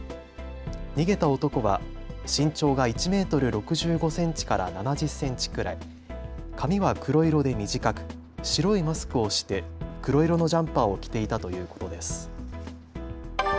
逃げた男は身長が１メートル６５センチから７０センチくらい、髪は黒色で短く白いマスクをして黒色のジャンパーを着ていたということです。